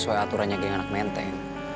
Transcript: sesuai aturannya kayak anak menteng